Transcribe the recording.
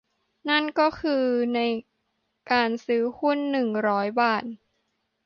นั่นก็คือ ในการซื้อหุ้น หนึ่งร้อย บาท